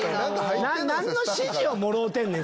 何の指示をもろうてんねん！